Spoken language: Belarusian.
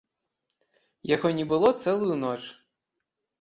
Яго не было цэлую ноч.